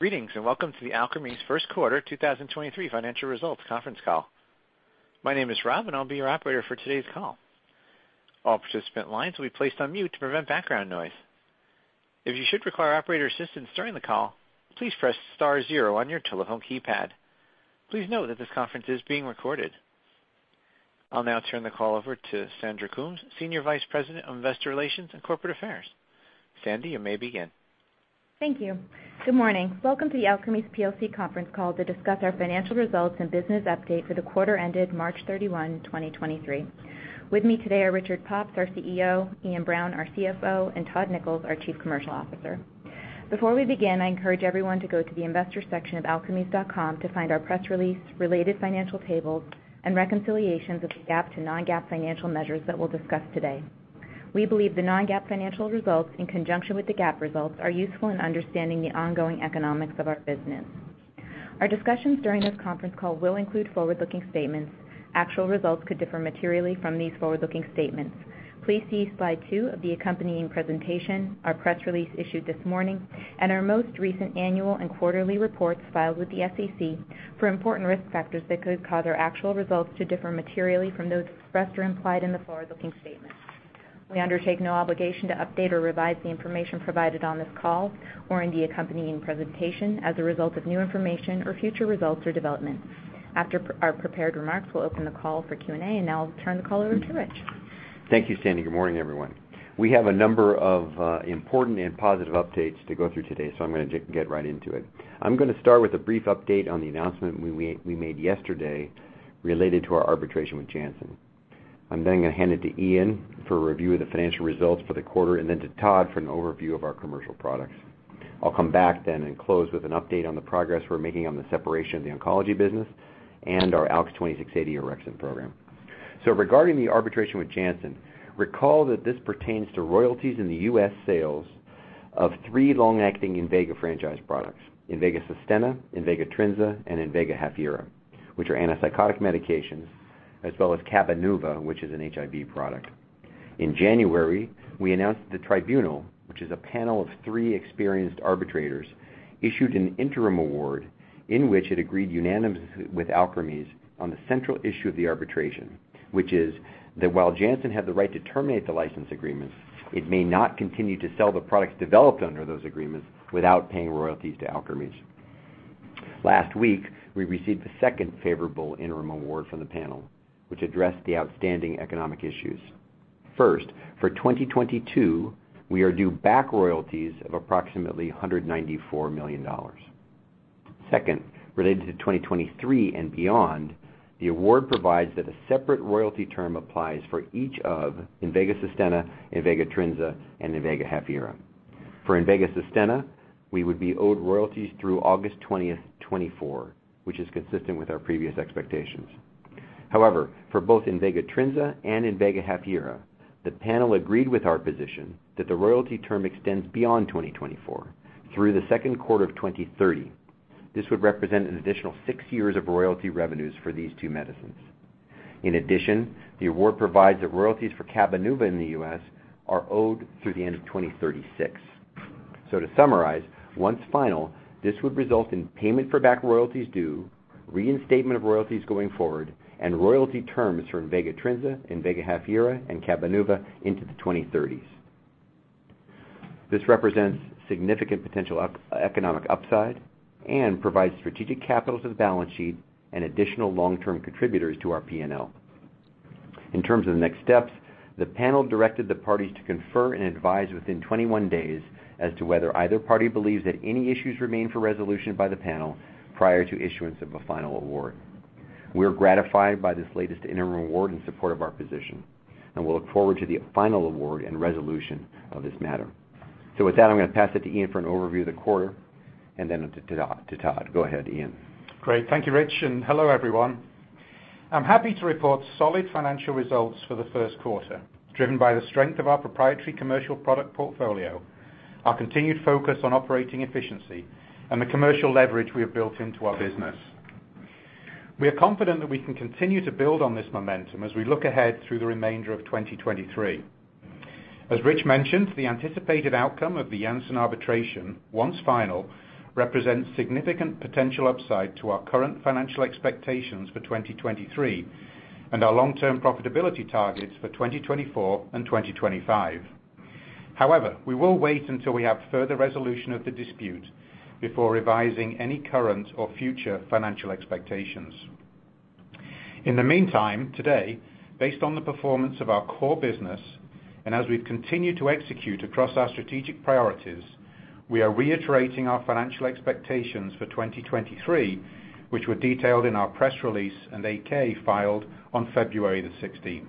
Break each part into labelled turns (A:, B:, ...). A: Greetings, welcome to the Alkermes first quarter 2023 financial results conference call. My name is Rob, and I'll be your operator for today's call. All participant lines will be placed on mute to prevent background noise. If you should require operator assistance during the call, please press star zero on your telephone keypad. Please note that this conference is being recorded. I'll now turn the call over to Sandy Coombs, Senior Vice President of Investor Relations and Corporate Affairs. Sandy, you may begin.
B: Thank you. Good morning. Welcome to the Alkermes plc conference call to discuss our financial results and business update for the quarter ended March 31, 2023. With me today are Richard Pops, our CEO, Iain Brown, our CFO, and Todd Nichols, our Chief Commercial Officer. Before we begin, I encourage everyone to go to the investor section of alkermes.com to find our press release, related financial tables, and reconciliations of the GAAP to non-GAAP financial measures that we'll discuss today. We believe the non-GAAP financial results in conjunction with the GAAP results are useful in understanding the ongoing economics of our business. Our discussions during this conference call will include forward-looking statements. Actual results could differ materially from these forward-looking statements. Please see slide two of the accompanying presentation, our press release issued this morning, and our most recent annual and quarterly reports filed with the SEC for important risk factors that could cause our actual results to differ materially from those expressed or implied in the forward-looking statements. We undertake no obligation to update or revise the information provided on this call or in the accompanying presentation as a result of new information or future results or developments. After our prepared remarks, we'll open the call for Q&A. Now I'll turn the call over to Rich.
C: Thank you, Sandy. Good morning, everyone. We have a number of important and positive updates to go through today. I'm gonna get right into it. I'm gonna start with a brief update on the announcement we made yesterday related to our arbitration with Janssen. I'm then gonna hand it to Iain for a review of the financial results for the quarter and then to Todd for an overview of our commercial products. I'll come back then and close with an update on the progress we're making on the separation of the oncology business and our ALKS 2680 orexin program. Regarding the arbitration with Janssen, recall that this pertains to royalties in the US sales of three long-acting Invega franchise products, INVEGA SUSTENNA, INVEGA TRINZA, and INVEGA HAFYERA, which are antipsychotic medications, as well as Cabenuva, which is an HIV product. In January, we announced the tribunal, which is a panel of three experienced arbitrators, issued an interim award in which it agreed unanimously with Alkermes on the central issue of the arbitration, which is that while Janssen had the right to terminate the license agreements, it may not continue to sell the products developed under those agreements without paying royalties to Alkermes. Last week, we received the second favorable interim award from the panel, which addressed the outstanding economic issues. First, for 2022, we are due back royalties of approximately $194 million. Second, related to 2023 and beyond, the award provides that a separate royalty term applies for each of INVEGA SUSTENNA, INVEGA TRINZA, and Invega HAFYERA. For INVEGA SUSTENNA, we would be owed royalties through August 20th, 2024, which is consistent with our previous expectations. For both INVEGA TRINZA and INVEGA HAFYERA, the panel agreed with our position that the royalty term extends beyond 2024 through the second quarter of 2030. This would represent an additional 6 years of royalty revenues for these two medicines. In addition, the award provides that royalties for Cabenuva in the U.S. are owed through the end of 2036. To summarize, once final, this would result in payment for back royalties due, reinstatement of royalties going forward, and royalty terms for INVEGA TRINZA, INVEGA HAFYERA, and Cabenuva into the 2030s. This represents significant potential economic upside and provides strategic capital to the balance sheet and additional long-term contributors to our P&L. In terms of the next steps, the panel directed the parties to confer and advise within 21 days as to whether either party believes that any issues remain for resolution by the panel prior to issuance of a final award. We are gratified by this latest interim award in support of our position, and we'll look forward to the final award and resolution of this matter. With that, I'm gonna pass it to Ian for an overview of the quarter and then to Todd. Go ahead, Ian.
D: Great. Thank you, Rich, and hello everyone. I'm happy to report solid financial results for the first quarter, driven by the strength of our proprietary commercial product portfolio, our continued focus on operating efficiency, and the commercial leverage we have built into our business. We are confident that we can continue to build on this momentum as we look ahead through the remainder of 2023. As Rich mentioned, the anticipated outcome of the Janssen arbitration, once final, represents significant potential upside to our current financial expectations for 2023 and our long-term profitability targets for 2024 and 2025. However, we will wait until we have further resolution of the dispute before revising any current or future financial expectations. In the meantime, today, based on the performance of our core business and as we've continued to execute across our strategic priorities, we are reiterating our financial expectations for 2023, which were detailed in our press release and 8-K filed on February 16th.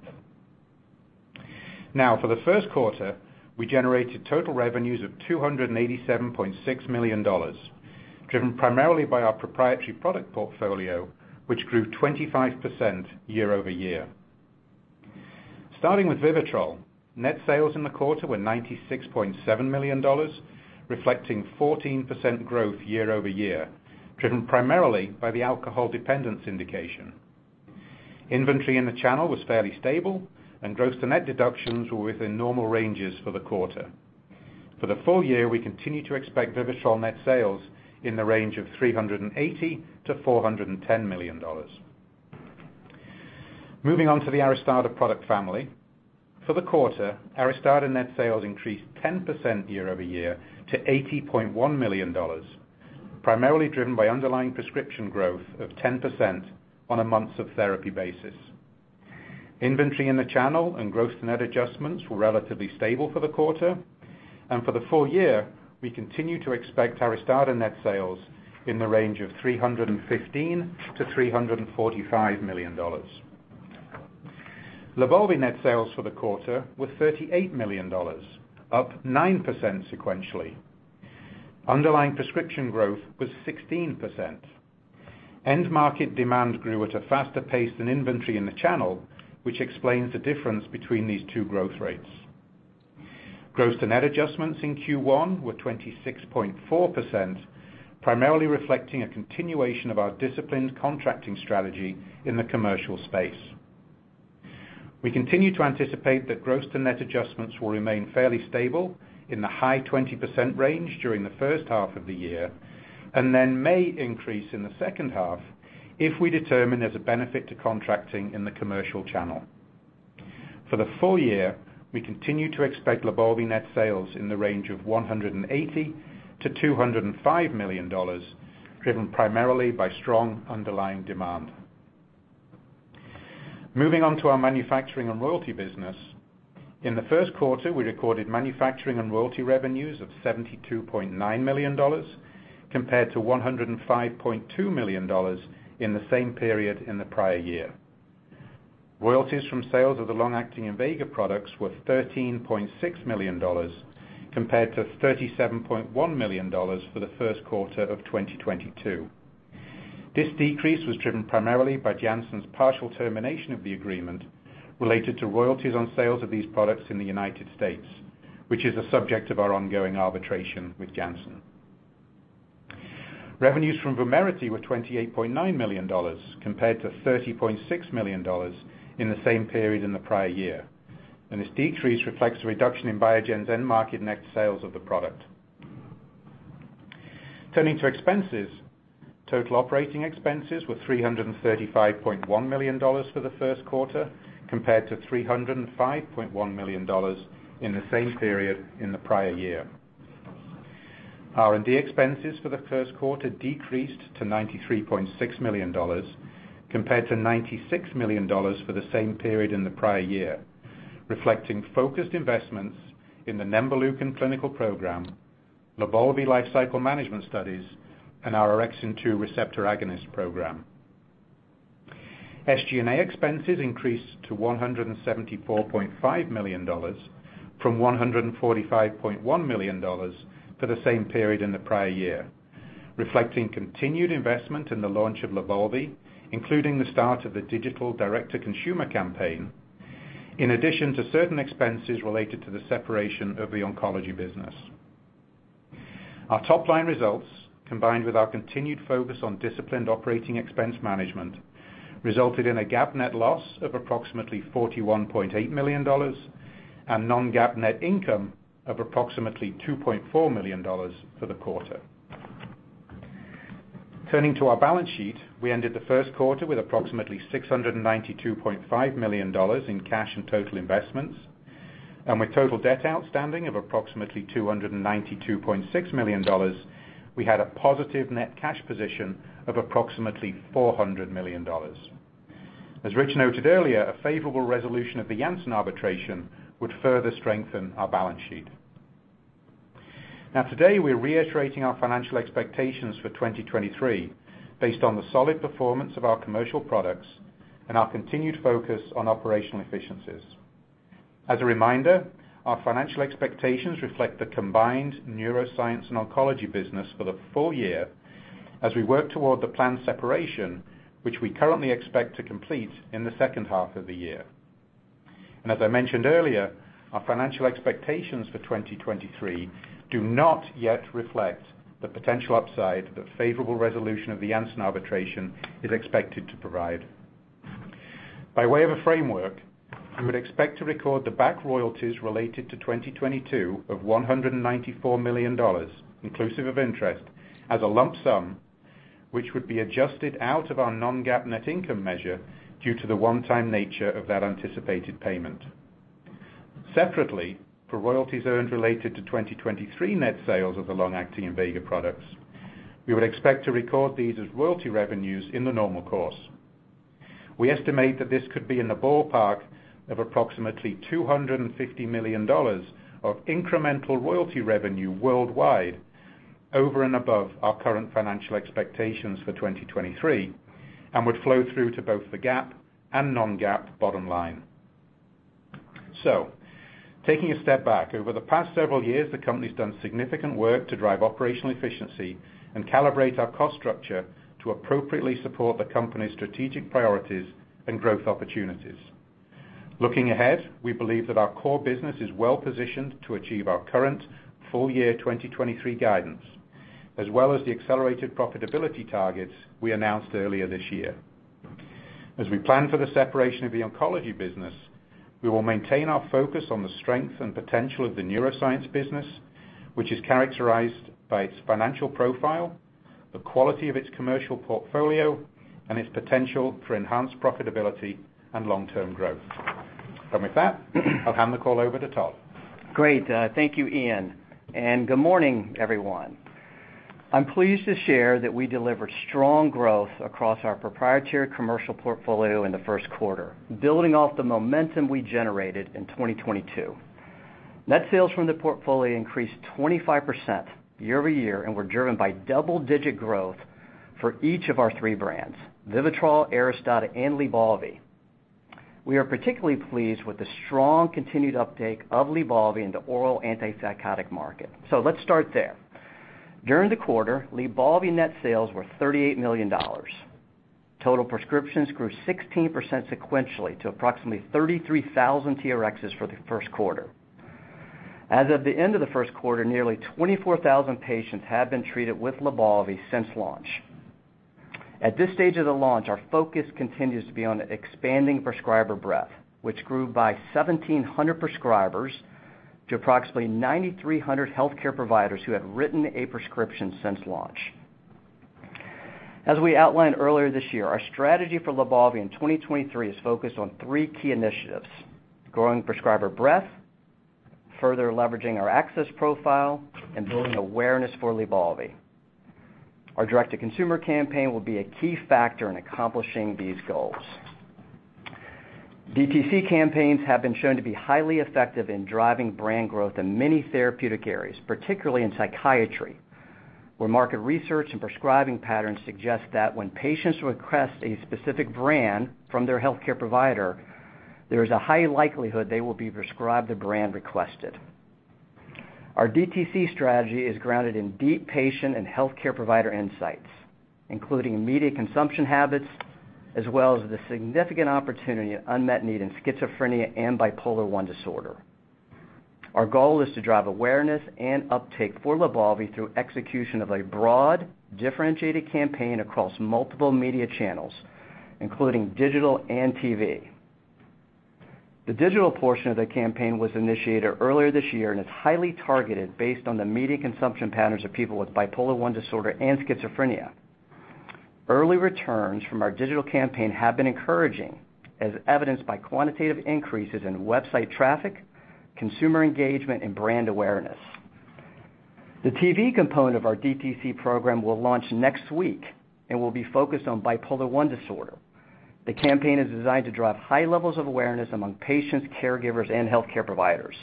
D: For the first quarter, we generated total revenues of $287.6 million, driven primarily by our proprietary product portfolio, which grew 25% year-over-year. Starting with VIVITROL, net sales in the quarter were $96.7 million, reflecting 14% growth year-over-year, driven primarily by the alcohol dependence indication. Inventory in the channel was fairly stable and gross to net deductions were within normal ranges for the quarter. For the full year, we continue to expect VIVITROL net sales in the range of $380 million-$410 million. Moving on to the ARISTADA product family. For the quarter, ARISTADA net sales increased 10% year-over-year to $80 million, primarily driven by underlying prescription growth of 10% on a month of therapy basis. Inventory in the channel and gross to net adjustments were relatively stable for the quarter. For the full year, we continue to expect ARISTADA net sales in the range of $315 million-$345 million. LYBALVI net sales for the quarter were $38 million, up 9% sequentially. Underlying prescription growth was 16%. End market demand grew at a faster pace than inventory in the channel, which explains the difference between these two growth rates. Gross to net adjustments in Q1 were 26.4%, primarily reflecting a continuation of our disciplined contracting strategy in the commercial space. We continue to anticipate that gross to net adjustments will remain fairly stable in the high 20% range during the first half of the year, then may increase in the second half if we determine there's a benefit to contracting in the commercial channel. For the full year, we continue to expect LYBALVI net sales in the range of $180 million-$205 million, driven primarily by strong underlying demand. Moving on to our manufacturing and royalty business. In the first quarter, we recorded manufacturing and royalty revenues of $72.9 million compared to $105.2 million in the same period in the prior year. Royalties from sales of the long-acting Invega products were $13.6 million compared to $37.1 million for the first quarter of 2022. This decrease was driven primarily by Janssen's partial termination of the agreement related to royalties on sales of these products in the United States, which is a subject of our ongoing arbitration with Janssen. Revenues from VUMERITY were $28.9 million compared to $30.6 million in the same period in the prior year. This decrease reflects a reduction in Biogen's end market net sales of the product. Turning to expenses. Total operating expenses were $335.1 million for the first quarter compared to $305.1 million in the same period in the prior year. R&D expenses for the first quarter decreased to $93.6 million compared to $96 million for the same period in the prior year, reflecting focused investments in the nemvaleukin clinical program, LYBALVI lifecycle management studies, and our orexin 2 receptor agonist program. SG&A expenses increased to $174.5 million from $145.1 million for the same period in the prior year, reflecting continued investment in the launch of LYBALVI, including the start of the digital direct-to-consumer campaign, in addition to certain expenses related to the separation of the oncology business. Our top line results, combined with our continued focus on disciplined operating expense management, resulted in a GAAP net loss of approximately $41.8 million and non-GAAP net income of approximately $2.4 million for the quarter. Turning to our balance sheet. We ended the first quarter with approximately $692.5 million in cash and total investments. With total debt outstanding of approximately $292.6 million, we had a positive net cash position of approximately $400 million. As Rich noted earlier, a favorable resolution of the Janssen arbitration would further strengthen our balance sheet. Today, we're reiterating our financial expectations for 2023 based on the solid performance of our commercial products and our continued focus on operational efficiencies. As a reminder, our financial expectations reflect the combined neuroscience and oncology business for the full year as we work toward the planned separation, which we currently expect to complete in the second half of the year. As I mentioned earlier, our financial expectations for 2023 do not yet reflect the potential upside that favorable resolution of the Janssen arbitration is expected to provide. By way of a framework, I would expect to record the back royalties related to 2022 of $194 million, inclusive of interest, as a lump sum, which would be adjusted out of our non-GAAP net income measure due to the one-time nature of that anticipated payment. Separately, for royalties earned related to 2023 net sales of the long-acting INVEGA products, we would expect to record these as royalty revenues in the normal course. We estimate that this could be in the ballpark of approximately $250 million of incremental royalty revenue worldwide over and above our current financial expectations for 2023 and would flow through to both the GAAP and non-GAAP bottom line. Taking a step back, over the past several years, the company's done significant work to drive operational efficiency and calibrate our cost structure to appropriately support the company's strategic priorities and growth opportunities. Looking ahead, we believe that our core business is well-positioned to achieve our current full year 2023 guidance, as well as the accelerated profitability targets, we announced earlier this year. As we plan for the separation of the oncology business, we will maintain our focus on the strength and potential of the neuroscience business, which is characterized by its financial profile, the quality of its commercial portfolio, and its potential for enhanced profitability and long-term growth. With that, I'll hand the call over to Todd.
E: Great. Thank you, Iain. Good morning, everyone. I'm pleased to share that we delivered strong growth across our proprietary commercial portfolio in the first quarter, building off the momentum we generated in 2022. Net sales from the portfolio increased 25% year-over-year and were driven by double-digit growth for each of our three brands, VIVITROL, ARISTADA, and LYBALVI. We are particularly pleased with the strong continued uptake of LYBALVI in the oral antipsychotic market. Let's start there. During the quarter, LYBALVI net sales were $38 million. Total prescriptions grew 16% sequentially to approximately 33,000 TRxs for the first quarter. As of the end of the first quarter, nearly 24,000 patients have been treated with LYBALVI since launch. At this stage of the launch, our focus continues to be on expanding prescriber breadth, which grew by 1,700 prescribers to approximately 9,300 healthcare providers who have written a prescription since launch. As we outlined earlier this year, our strategy for LYBALVI in 2023 is focused on three key initiatives: growing prescriber breadth, further leveraging our access profile, and building awareness for LYBALVI. Our direct-to-consumer campaign will be a key factor in accomplishing these goals. DTC campaigns have been shown to be highly effective in driving brand growth in many therapeutic areas, particularly in psychiatry, where market research and prescribing patterns suggest that when patients request a specific brand from their healthcare provider, there is a high likelihood they will be prescribed the brand requested. Our DTC strategy is grounded in deep patient and healthcare provider insights, including media consumption habits, as well as the significant opportunity and unmet need in schizophrenia and bipolar I disorder. Our goal is to drive awareness and uptake for LYBALVI through execution of a broad, differentiated campaign across multiple media channels, including digital and TV. The digital portion of the campaign was initiated earlier this year and is highly targeted based on the media consumption patterns of people with bipolar I disorder and schizophrenia. Early returns from our digital campaign have been encouraging, as evidenced by quantitative increases in website traffic, consumer engagement, and brand awareness. The TV component of our DTC program will launch next week and will be focused on bipolar I disorder. The campaign is designed to drive high levels of awareness among patients, caregivers, and healthcare providers.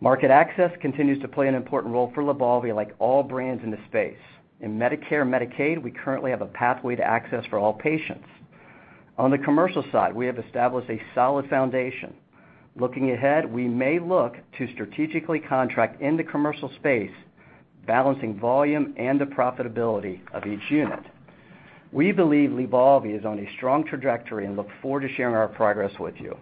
E: Market access continues to play an important role for LYBALVI, like all brands in the space. In Medicare and Medicaid, we currently have a pathway to access for all patients. On the commercial side, we have established a solid foundation. Looking ahead, we may look to strategically contract in the commercial space, balancing volume and the profitability of each unit. We believe LYBALVI is on a strong trajectory and look forward to sharing our progress with you.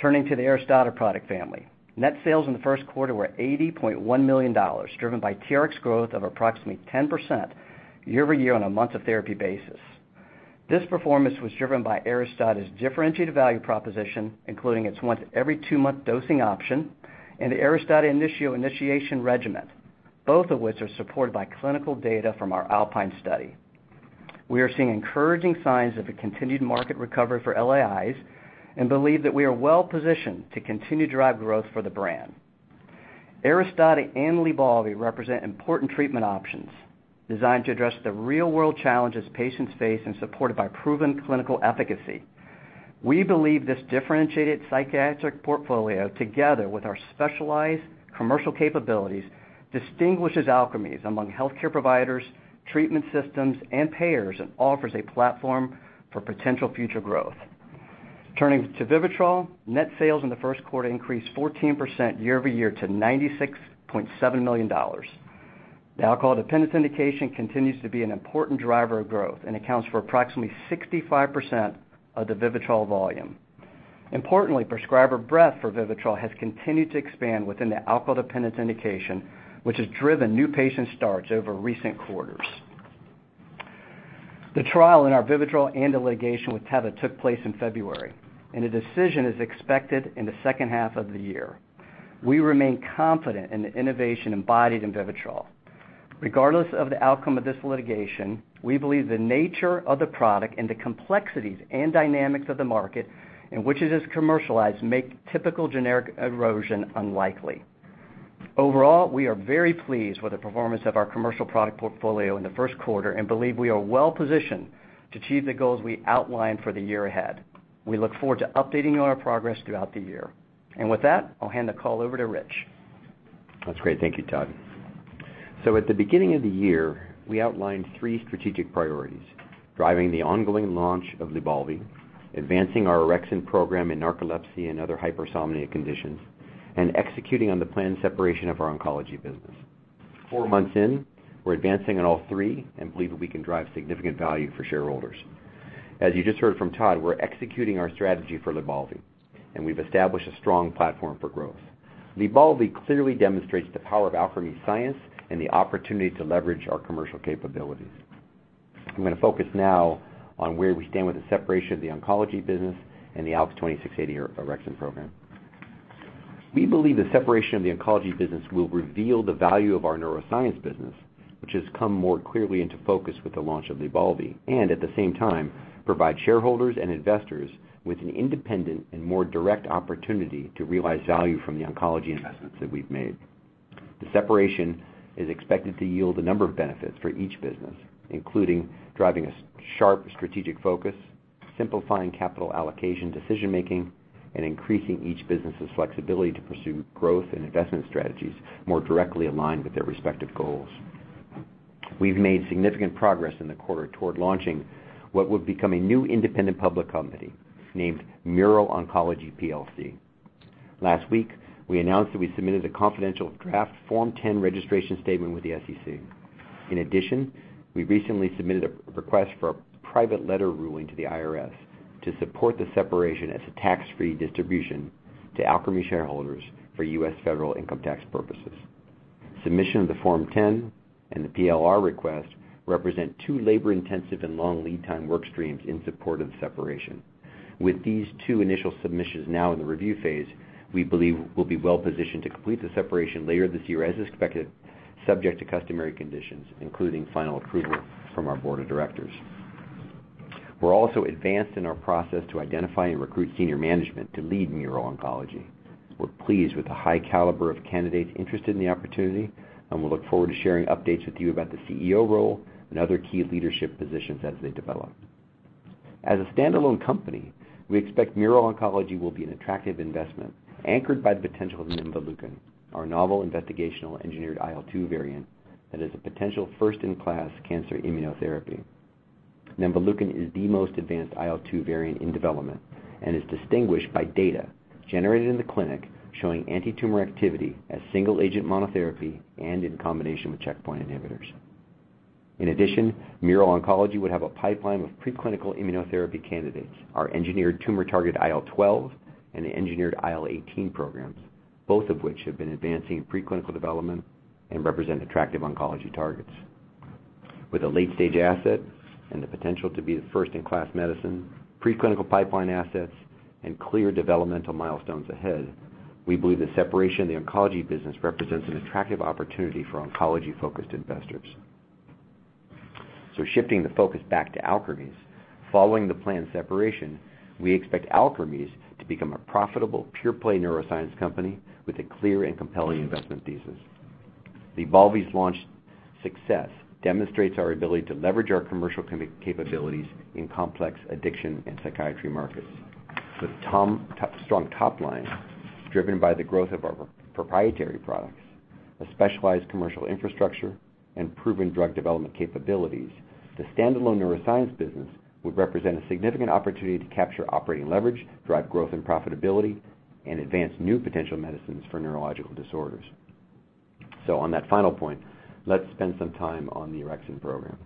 E: Turning to the ARISTADA product family. Net sales in the first quarter were $80.1 million, driven by TRx growth of approximately 10% year-over-year on a months of therapy basis. This performance was driven by ARISTADA's differentiated value proposition, including its once every two-month dosing option and the ARISTADA INITIO initiation regimen, both of which are supported by clinical data from our ALPINE study. We are seeing encouraging signs of a continued market recovery for LAIs and believe that we are well-positioned to continue to drive growth for the brand. ARISTADA and LYBALVI represent important treatment options designed to address the real-world challenges patients face and supported by proven clinical efficacy. We believe this differentiated psychiatric portfolio, together with our specialized commercial capabilities, distinguishes Alkermes among healthcare providers, treatment systems, and payers, and offers a platform for potential future growth. Turning to VIVITROL, net sales in the first quarter increased 14% year-over-year to $96.7 million. The alcohol dependence indication continues to be an important driver of growth and accounts for approximately 65% of the VIVITROL volume. Importantly, prescriber breadth for VIVITROL has continued to expand within the alcohol dependence indication, which has driven new patient starts over recent quarters. The trial in our VIVITROL and litigation with Teva took place in February, and a decision is expected in the second half of the year. We remain confident in the innovation embodied in VIVITROL. Regardless of the outcome of this litigation, we believe the nature of the product and the complexities and dynamics of the market in which it is commercialized make typical generic erosion unlikely. Overall, we are very pleased with the performance of our commercial product portfolio in the first quarter and believe we are well-positioned to achieve the goals we outlined for the year ahead. We look forward to updating you on our progress throughout the year. With that, I'll hand the call over to Rich.
C: That's great. Thank you, Todd. At the beginning of the year, we outlined three strategic priorities: driving the ongoing launch of LYBALVI, advancing our Orexin program in narcolepsy and other hypersomnia conditions, and executing on the planned separation of our oncology business. Four months in, we're advancing on all three and believe that we can drive significant value for shareholders. As you just heard from Todd, we're executing our strategy for LYBALVI, and we've established a strong platform for growth. LYBALVI clearly demonstrates the power of Alkermes science and the opportunity to leverage our commercial capabilities. I'm gonna focus now on where we stand with the separation of the oncology business and the ALKS 2680 orexin program. We believe the separation of the oncology business will reveal the value of our neuroscience business, which has come more clearly into focus with the launch of LYBALVI, and at the same time, provide shareholders and investors with an independent and more direct opportunity to realize value from the oncology investments that we've made. The separation is expected to yield a number of benefits for each business, including driving a sharp strategic focus, simplifying capital allocation decision-making, and increasing each business's flexibility to pursue growth and investment strategies more directly aligned with their respective goals. We've made significant progress in the quarter toward launching what would become a new independent public company named Mural Oncology PLC. Last week, we announced that we submitted a confidential draft Form 10 registration statement with the SEC. In addition, we recently submitted a request for a private letter ruling to the IRS to support the separation as a tax-free distribution to Alkermes shareholders for US federal income tax purposes. Submission of the Form 10 and the PLR request represent two labor-intensive and long lead time work streams in support of the separation. With these two initial submissions now in the review phase, we believe we'll be well-positioned to complete the separation later this year, as is expected, subject to customary conditions, including final approval from our board of directors. We're also advanced in our process to identify and recruit senior management to lead Mural Oncology. We're pleased with the high caliber of candidates interested in the opportunity, and we look forward to sharing updates with you about the CEO role and other key leadership positions as they develop. As a standalone company, we expect Mural Oncology will be an attractive investment anchored by the potential of nemvaleukin, our novel investigational engineered IL-2 variant that is a potential first-in-class cancer immunotherapy. Nemvaleukin is the most advanced IL-2 variant in development and is distinguished by data generated in the clinic showing antitumor activity as single-agent monotherapy and in combination with checkpoint inhibitors. In addition, Mural Oncology would have a pipeline of preclinical immunotherapy candidates, our engineered tumor-targeted IL-12 and the engineered IL-18 programs, both of which have been advancing in preclinical development and represent attractive oncology targets. With a late-stage asset and the potential to be the first in class medicine, preclinical pipeline assets and clear developmental milestones ahead, we believe the separation of the oncology business represents an attractive opportunity for oncology-focused investors. Shifting the focus back to Alkermes. Following the planned separation, we expect Alkermes to become a profitable, pure-play neuroscience company with a clear and compelling investment thesis. LYBALVI's launch success demonstrates our ability to leverage our commercial capabilities in complex addiction and psychiatry markets. With strong top line driven by the growth of our proprietary products, a specialized commercial infrastructure, and proven drug development capabilities, the standalone neuroscience business would represent a significant opportunity to capture operating leverage, drive growth and profitability, and advance new potential medicines for neurological disorders. On that final point, let's spend some time on the orexin program.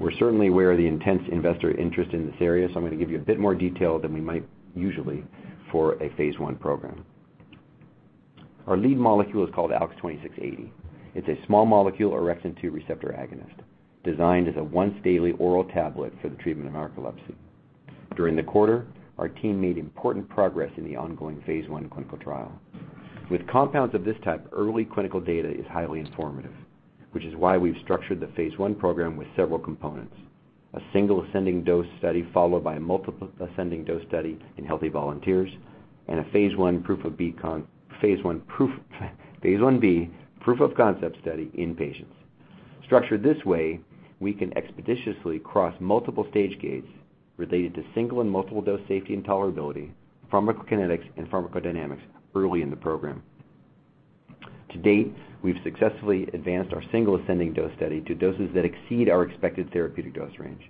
C: We're certainly aware of the intense investor interest in this area, so I'm gonna give you a bit more detail than we might usually for a phase I program. Our lead molecule is called ALKS 2680. It's a small molecule orexin 2 receptor agonist designed as a once-daily oral tablet for the treatment of narcolepsy. During the quarter, our team made important progress in the ongoing phase I clinical trial. With compounds of this type, early clinical data is highly informative, which is why we've structured the phase I program with several components: a single-ascending dose study followed by a multiple-ascending dose study in healthy volunteers, and a phase I-B proof of concept study in patients. Structured this way, we can expeditiously cross multiple stage gates related to single and multiple dose safety and tolerability, pharmacokinetics, and pharmacodynamics early in the program. To date, we've successfully advanced our single-ascending dose study to doses that exceed our expected therapeutic dose range.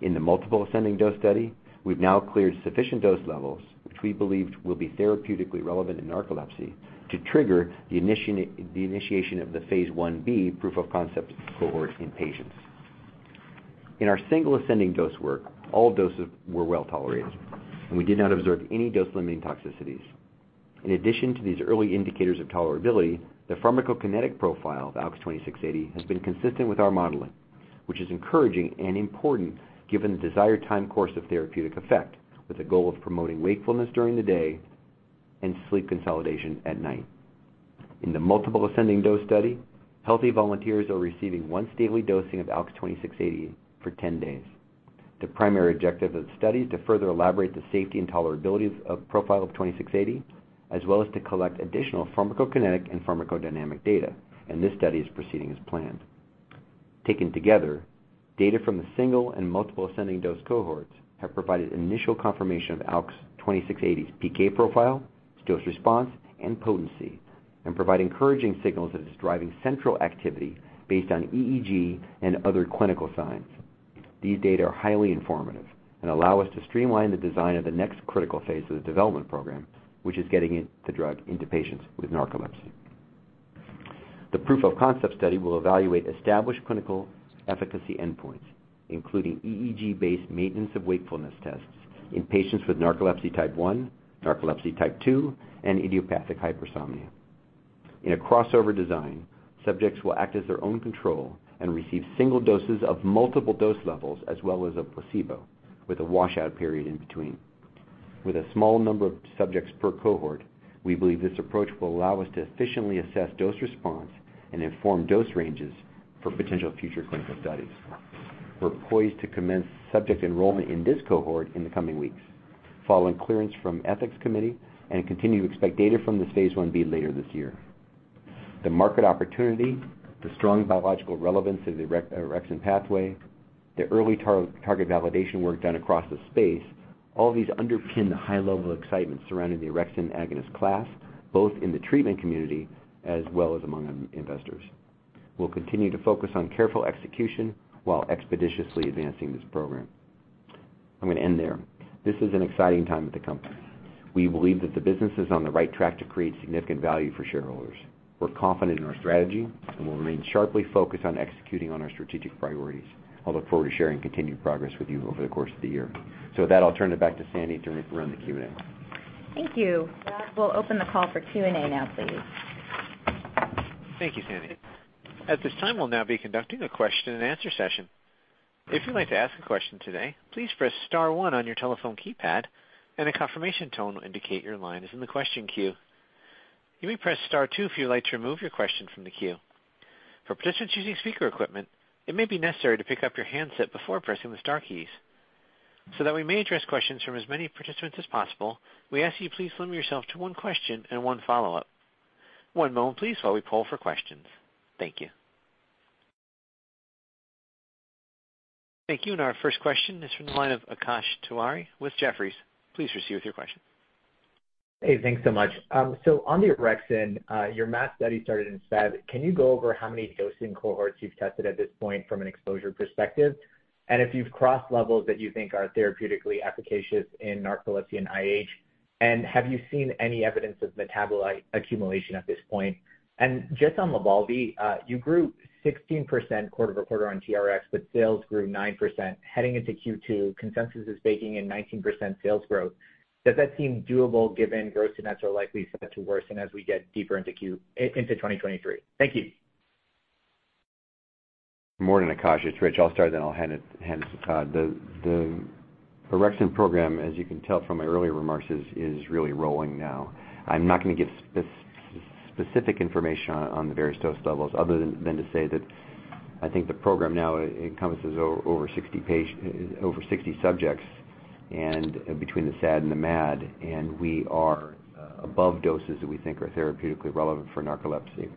C: In the multiple-ascending dose study, we've now cleared sufficient dose levels, which we believe will be therapeutically relevant in narcolepsy, to trigger the initiation of the phase I-B proof of concept cohort in patients. In our single-ascending dose work, all doses were well-tolerated, and we did not observe any dose-limiting toxicities. In addition to these early indicators of tolerability, the pharmacokinetic profile of ALKS 2680 has been consistent with our modeling, which is encouraging and important given the desired time course of therapeutic effect, with the goal of promoting wakefulness during the day and sleep consolidation at night. In the multiple-ascending dose study, healthy volunteers are receiving once daily dosing of ALKS 2680 for 10 days. The primary objective of the study is to further elaborate the safety and tolerability of profile of 2680, as well as to collect additional pharmacokinetic and pharmacodynamic data, and this study is proceeding as planned. Taken together, data from the single and multiple ascending dose cohorts have provided initial confirmation of ALKS 2680's PK profile, dose response, and potency, and provide encouraging signals that it's driving central activity based on EEG and other clinical signs. These data are highly informative and allow us to streamline the design of the next critical phase of the development program, which is getting the drug into patients with narcolepsy. The proof-of-concept study will evaluate established clinical efficacy endpoints, including EEG-based maintenance of wakefulness tests in patients with narcolepsy type 1, narcolepsy type 2, and idiopathic hypersomnia. In a crossover design, subjects will act as their own control and receive single doses of multiple dose levels as well as a placebo with a washout period in between. With a small number of subjects per cohort, we believe this approach will allow us to efficiently assess dose response and inform dose ranges for potential future clinical studies. We're poised to commence subject enrollment in this cohort in the coming weeks following clearance from ethics committee and continue to expect data from this phase I-B later this year. The market opportunity, the strong biological relevance of the orexin pathway, the early target validation work done across the space, all these underpin the high level of excitement surrounding the orexin agonist class, both in the treatment community as well as among investors. We'll continue to focus on careful execution while expeditiously advancing this program. I'm going to end there. This is an exciting time at the company. We believe that the business is on the right track to create significant value for shareholders. We're confident in our strategy, we'll remain sharply focused on executing on our strategic priorities. I'll look forward to sharing continued progress with you over the course of the year. With that, I'll turn it back to Sandy to run the Q&A.
B: Thank you. We'll open the call for Q&A now, please.
A: Thank you, Sandy. At this time, we'll now be conducting a question-and-answer session. If you'd like to ask a question today, please press star 1 on your telephone keypad, and a confirmation tone will indicate your line is in the question queue. You may press star 2 if you would like to remove your question from the queue. For participants using speaker equipment, it may be necessary to pick up your handset before pressing the star keys. So that we may address questions from as many participants as possible, we ask you please limit yourself to 1 question and 1 follow-up. One moment, please, while we poll for questions. Thank you. Thank you. Our first question is from the line of Akash Tewari with Jefferies. Please proceed with your question.
F: Thanks so much. On the orexin, your MAD study started instead. Can you go over how many dosing cohorts you've tested at this point from an exposure perspective? If you've crossed levels that you think are therapeutically efficacious in narcolepsy and IH, have you seen any evidence of metabolite accumulation at this point? Just on LYBALVI, you grew 16% quarter-over-quarter on TRx, but sales grew 9%. Heading into Q2, consensus is baking in 19% sales growth. Does that seem doable given gross and nets are likely set to worsen as we get deeper into 2023? Thank you.
C: Morning, Akash. It's Rich. I'll start, then I'll hand it to Todd. The orexin program, as you can tell from my earlier remarks, is really rolling now. I'm not going to give specific information on the various dose levels other than to say that I think the program now encompasses over 60 subjects and between the SAD and the MAD, and we are above doses that we think are therapeutically relevant for narcolepsy.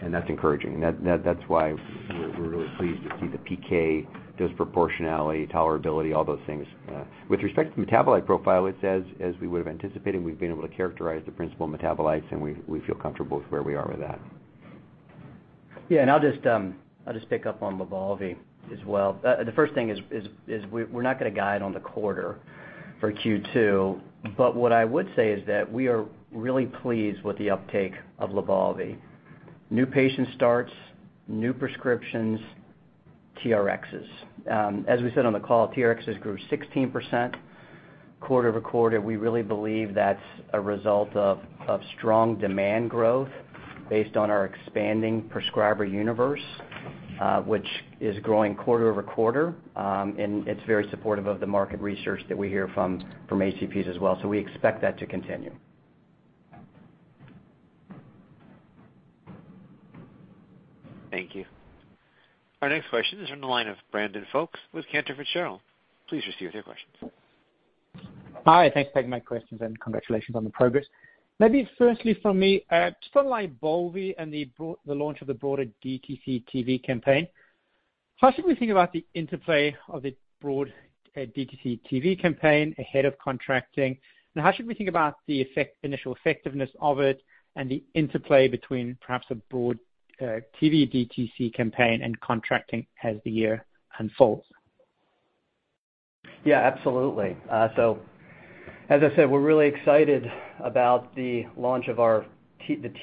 C: And that's encouraging. That's why we're really pleased to see the PK, dose proportionality, tolerability, all those things. With respect to the metabolite profile, it's as we would have anticipated, we've been able to characterize the principal metabolites, and we feel comfortable with where we are with that.
E: I'll just pick up on LYBALVI as well. The first thing is we're not going to guide on the quarter for Q2. What I would say is that we are really pleased with the uptake of LYBALVI. New patient starts, new prescriptions, TRxs. As we said on the call, TRxs grew 16% quarter-over-quarter. We really believe that's a result of strong demand growth based on our expanding prescriber universe, which is growing quarter-over-quarter, and it's very supportive of the market research that we hear from ACPs as well. We expect that to continue.
A: Thank you. Our next question is from the line of Brandon Folkes with Cantor Fitzgerald. Please proceed with your questions.
G: Hi, thanks for taking my questions and congratulations on the progress. Maybe firstly from me, to follow LYBALVI and the launch of the broader DTC TV campaign, how should we think about the interplay of the broad, DTC TV campaign ahead of contracting? How should we think about initial effectiveness of it and the interplay between perhaps a broad, TV DTC campaign and contracting as the year unfolds?
E: Yeah, absolutely. As I said, we're really excited about the launch of the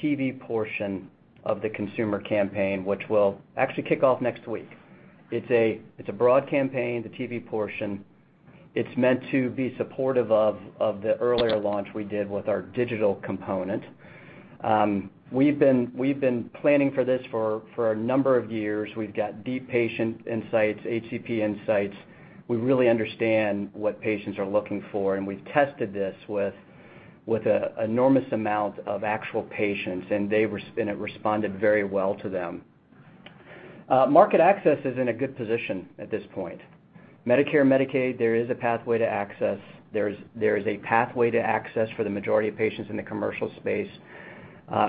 E: TV portion of the consumer campaign, which will actually kick off next week. It's a broad campaign, the TV portion. It's meant to be supportive of the earlier launch we did with our digital component. We've been planning for this for a number of years. We've got deep patient insights, HCP insights. We really understand what patients are looking for, and we've tested this with enormous amount of actual patients, and it responded very well to them. Market access is in a good position at this point. Medicare, Medicaid, there is a pathway to access. There is a pathway to access for the majority of patients in the commercial space.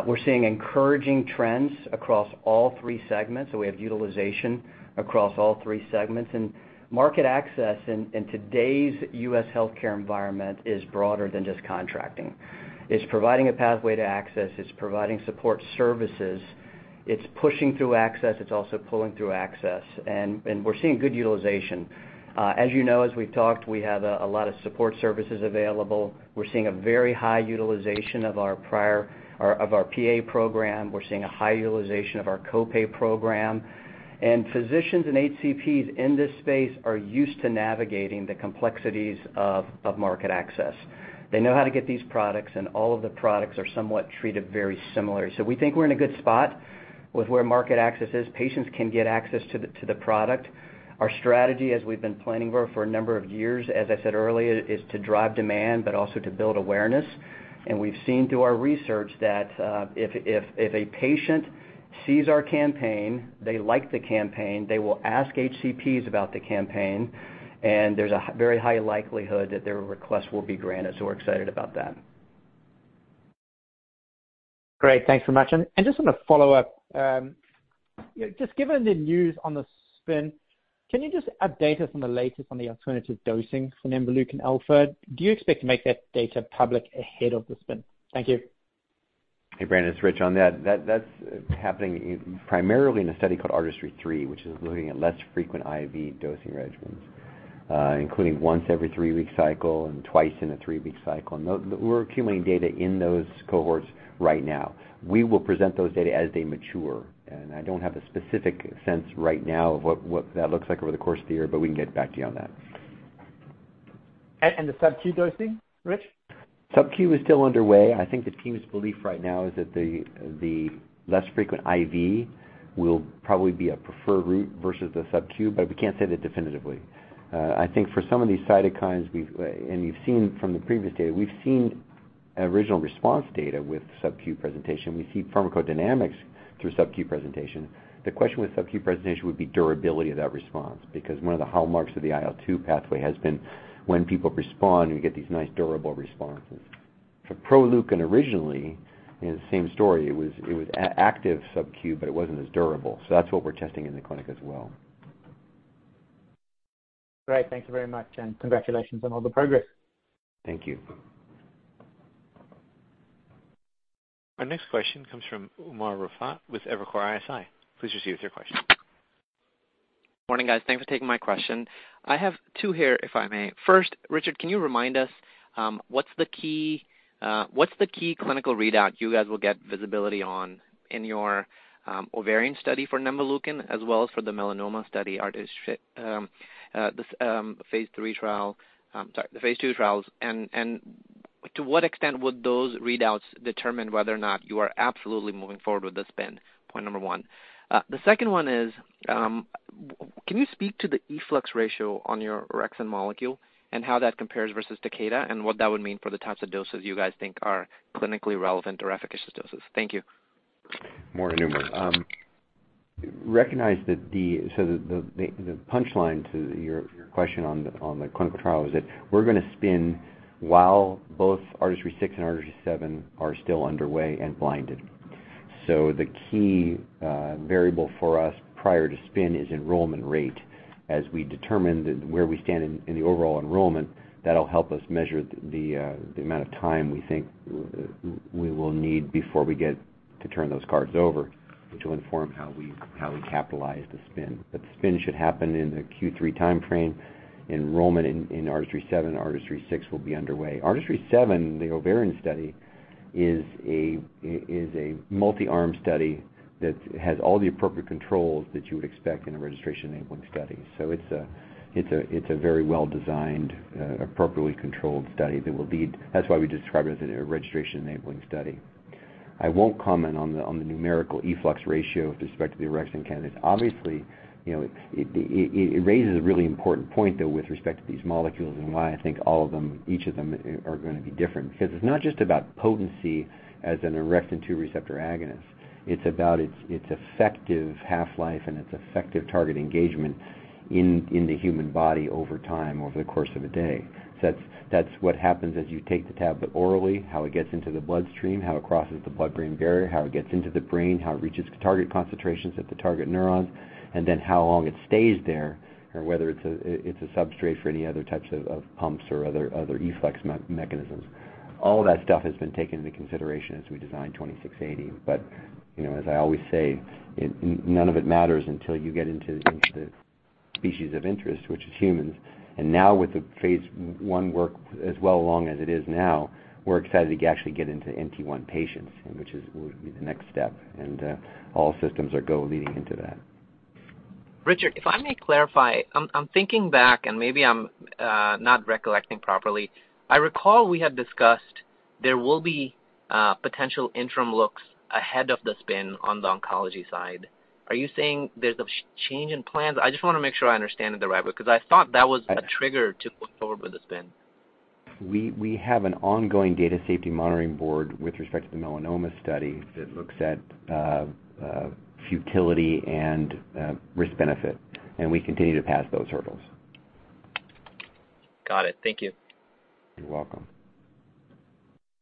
E: We're seeing encouraging trends across all three segments, so we have utilization across all three segments. Market access in today's US healthcare environment is broader than just contracting. It's providing a pathway to access, it's providing support services. It's pushing through access, it's also pulling through access, and we're seeing good utilization. As you know, as we've talked, we have a lot of support services available. We're seeing a very high utilization of our PA program. We're seeing a high utilization of our co-pay program. Physicians and HCPs in this space are used to navigating the complexities of market access. They know how to get these products, all of the products are somewhat treated very similar. We think we're in a good spot with where market access is. Patients can get access to the product. Our strategy, as we've been planning for a number of years, as I said earlier, is to drive demand but also to build awareness. We've seen through our research that, if a patient sees our campaign, they like the campaign, they will ask HCPs about the campaign, and there's a high, very high likelihood that their request will be granted. We're excited about that.
G: Great. Thanks so much. Just on a follow-up, you know, just given the news on the spin, can you just add data from the latest on the alternative dosing for nemvaleukin alfa? Do you expect to make that data public ahead of the spin? Thank you.
C: Hey, Brandon, it's Rich. On that's happening in, primarily in a study called ARTISTRY-3, which is looking at less frequent IV dosing regimens, including once every three-week cycle and twice in a three-week cycle. We're accumulating data in those cohorts right now. We will present those data as they mature. I don't have a specific sense right now of what that looks like over the course of the year, but we can get back to you on that.
G: the sub-Q dosing, Rich?
C: sub-Q is still underway. I think the team's belief right now is that the less frequent IV will probably be a preferred route versus the sub-Q, but we can't say that definitively. I think for some of these cytokines, and you've seen from the previous data, we've seen original response data with sub-Q presentation. We see pharmacodynamics through sub-Q presentation. The question with sub-Q presentation would be durability of that response, because one of the hallmarks of the IL-2 pathway has been when people respond, we get these nice durable responses. For PROLEUKIN originally, you know, the same story. It was active sub-Q, but it wasn't as durable. That's what we're testing in the clinic as well.
G: Great. Thank you very much, and congratulations on all the progress.
C: Thank you.
A: Our next question comes from Umer Raffat with Evercore ISI. Please proceed with your question.
H: Morning, guys. Thanks for taking my question. I have 2 here, if I may. First, Richard, can you remind us, what's the key, what's the key clinical readout you guys will get visibility on in your ovarian study for nemvaleukin as well as for the melanoma study ARTIST, this phase III trial, sorry, the phase II trials? To what extent would those readouts determine whether or not you are absolutely moving forward with the spin? Point number 1. The second 1 is, can you speak to the efflux ratio on your orexin molecule and how that compares versus Takeda and what that would mean for the types of doses you guys think are clinically relevant or efficacious doses? Thank you.
C: More numerous. Recognize that the... The, the, the punchline to your question on the, on the clinical trial is that we're gonna spin while both ARTISTRY-6 and ARTISTRY-7 are still underway and blinded. The key variable for us prior to spin is enrollment rate. As we determine where we stand in the overall enrollment, that'll help us measure the amount of time we think we will need before we get to turn those cards over, which will inform how we, how we capitalize the spin. The spin should happen in the Q3 timeframe. Enrollment in ARTISTRY-7 and ARTISTRY-6 will be underway. ARTISTRY-7, the ovarian study, is a multi-arm study that has all the appropriate controls that you would expect in a registration enabling study. It's a very well-designed, appropriately controlled study that will lead. That's why we describe it as a registration enabling study. I won't comment on the numerical efflux ratio with respect to the orexin candidates. Obviously, you know, it raises a really important point, though, with respect to these molecules and why I think all of them, each of them are gonna be different. Because it's not just about potency as an orexin 2 receptor agonist. It's about its effective half-life and its effective target engagement in the human body over time, over the course of a day. That's what happens as you take the tablet orally, how it gets into the bloodstream, how it crosses the blood-brain barrier, how it gets into the brain, how it reaches target concentrations at the target neurons, and then how long it stays there, and whether it's a substrate for any other types of pumps or other efflux mechanisms. All that stuff has been taken into consideration as we designed ALKS 2680. You know, as I always say, none of it matters until you get into the species of interest, which is humans. Now with the phase I work as well along as it is now, we're excited to actually get into NT1 patients, which is, will be the next step. All systems are go leading into that.
H: Richard, if I may clarify, I'm thinking back, and maybe I'm not recollecting properly. I recall we had discussed there will be potential interim looks ahead of the spin on the oncology side. Are you saying there's a change in plans? I just wanna make sure I understand it the right way, because I thought that was a trigger to move forward with the spin.
C: We have an ongoing data safety monitoring board with respect to the melanoma study that looks at futility and risk/benefit. We continue to pass those hurdles.
H: Got it. Thank you.
C: You're welcome.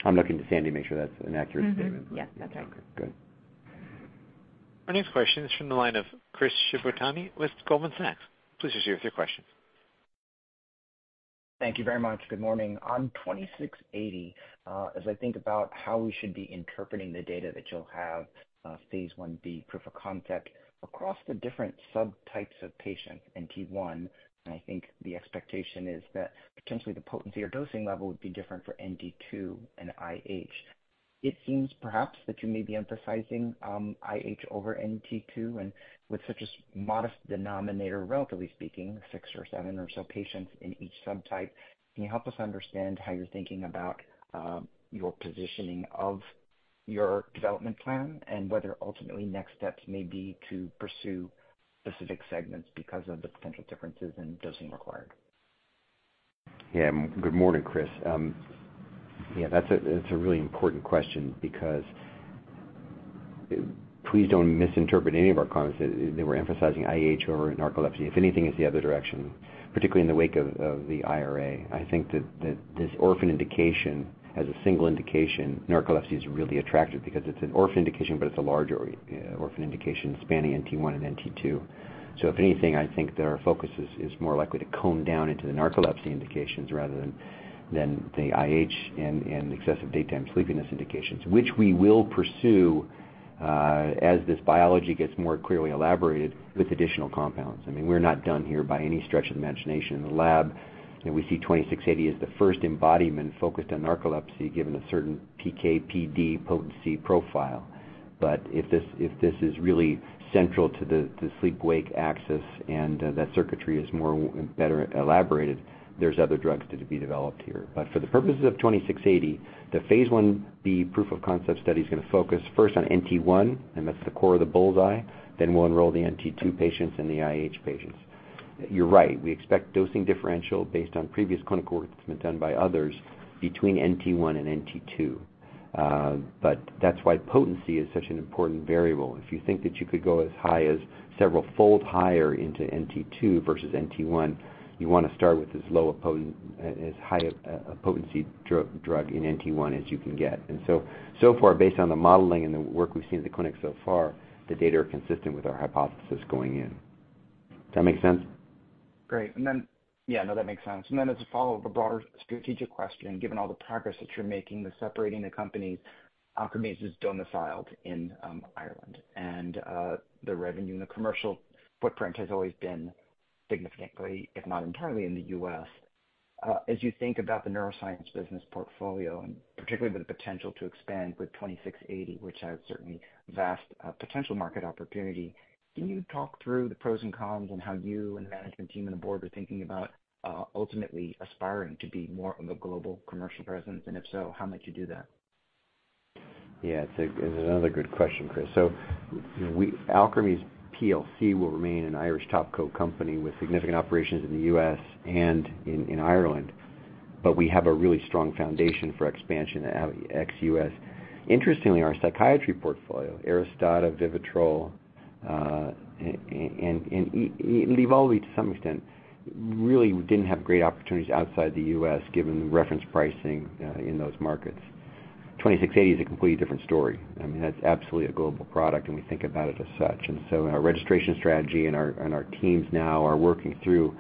C: I'm looking to Sandy to make sure that's an accurate statement.
B: Mm-hmm. Yes, that's right.
C: Okay, good.
A: Our next question is from the line of Chris Shibutani with Goldman Sachs. Please proceed with your question.
I: Thank you very much. Good morning. On ALKS 2680, as I think about how we should be interpreting the data that you'll have, phase I-B proof of concept across the different subtypes of patients NT1, and I think the expectation is that potentially the potency or dosing level would be different for NT2 and IH. It seems perhaps that you may be emphasizing IH over NT2, and with such a modest denominator, relatively speaking, six or seven or so patients in each subtype, can you help us understand how you're thinking about your positioning of your development plan and whether ultimately next steps may be to pursue specific segments because of the potential differences in dosing required?
C: Good morning, Chris. That's a really important question because please don't misinterpret any of our comments that we're emphasizing IH over narcolepsy. If anything, it's the other direction, particularly in the wake of the IRA. I think that this orphan indication as a single indication, narcolepsy is really attractive because it's an orphan indication, but it's a large orphan indication spanning NT one and NT two. If anything, I think that our focus is more likely to comb down into the narcolepsy indications rather than the IH and excessive daytime sleepiness indications, which we will pursue as this biology gets more clearly elaborated with additional compounds. I mean, we're not done here by any stretch of the imagination. In the lab, you know, we see 2680 as the first embodiment focused on narcolepsy given a certain PK/PD potency profile. If this is really central to the sleep-wake axis and that circuitry is more better elaborated, there's other drugs to be developed here. For the purposes of 2680, the phase I-B proof of concept study is gonna focus first on NT1, and that's the core of the bull's-eye, then we'll enroll the NT2 patients and the IH patients. You're right, we expect dosing differential based on previous clinical work that's been done by others between NT1 and NT2. That's why potency is such an important variable. If you think that you could go as high as several-fold higher into NT2 versus NT1, you wanna start with as high a potency drug in NT1 as you can get. So far, based on the modeling and the work we've seen in the clinic so far, the data are consistent with our hypothesis going in. Does that make sense?
I: Great. No that makes sense. As a follow-up, a broader strategic question, given all the progress that you're making with separating the companies, Alkermes is domiciled in Ireland, and the revenue and the commercial footprint has always been significantly, if not entirely, in the U.S. As you think about the neuroscience business portfolio, and particularly with the potential to expand with ALKS 2680, which has certainly vast potential market opportunity, can you talk through the pros and cons on how you and the management team and the board are thinking about ultimately aspiring to be more of a global commercial presence? If so, how might you do that?
C: Yeah, it's another good question, Chris. You know, Alkermes plc will remain an Irish top co company with significant operations in the U.S. and in Ireland, we have a really strong foundation for expansion out ex-U.S. Interestingly, our psychiatry portfolio, ARISTADA, VIVITROL, and LYBALVI to some extent, really didn't have great opportunities outside the U.S. given the reference pricing in those markets. 2680 is a completely different story. I mean, that's absolutely a global product, and we think about it as such. Our registration strategy and our teams now are working through